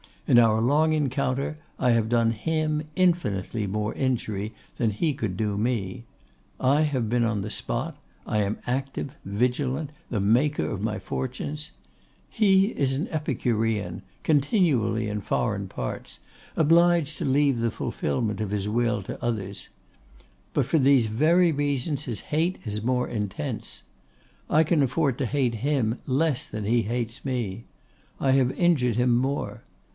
In our long encounter I have done him infinitely more injury than he could do me; I have been on the spot, I am active, vigilant, the maker of my fortunes. He is an epicurean, continually in foreign parts, obliged to leave the fulfilment of his will to others. But, for these very reasons, his hate is more intense. I can afford to hate him less than he hates me; I have injured him more.